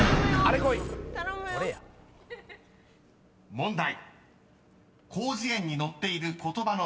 ［問題］